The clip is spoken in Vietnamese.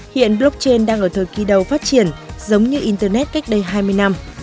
hiện blockchain đang ở thời kỳ đầu phát triển giống như internet cách đây hai mươi năm